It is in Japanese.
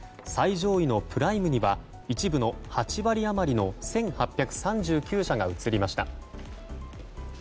最上位のプライムには１部の８割余りの１８３９社が移りました。